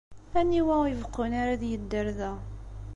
Aniwa ur ibeqqun ara ad yedder da?